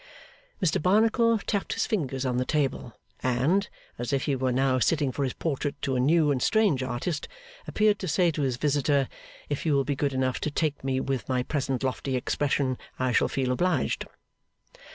Mr Barnacle tapped his fingers on the table, and, as if he were now sitting for his portrait to a new and strange artist, appeared to say to his visitor, 'If you will be good enough to take me with my present lofty expression, I shall feel obliged.